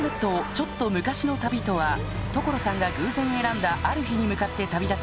ちょっと昔の旅」とは所さんが偶然選んだある日に向かって旅立ち